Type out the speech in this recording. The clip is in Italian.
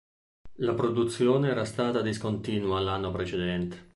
La produzione era stata discontinua l'anno precedente.